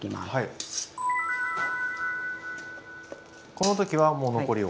この時はもう残りを。